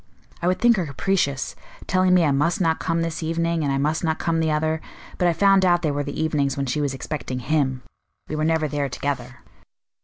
I would think her capricious telling me I must not come this evening, and I must not come the other; but I found out they were the evenings when she was expecting him. We were never there together."